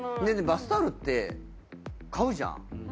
ねぇバスタオルって買うじゃん。